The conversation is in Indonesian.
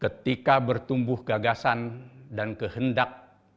ketika bertumbuh gagasan dan kehendak